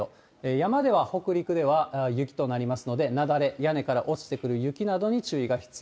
山では、北陸では雪となりますので、雪崩、屋根から落ちてくる雪などに注意が必要。